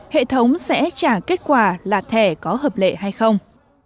hệ thống sẽ trả kết quả là thẻ có hợp lệ hay không